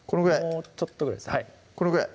もうちょっとぐらいですこのぐらい？